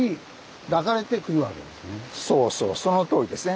そうそうそのとおりですね。